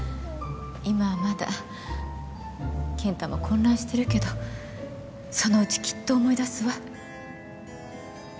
今はまだ健太も混乱してるけどそのうちきっと思い出すわ。